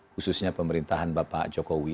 khususnya pemerintahan bapak jokowi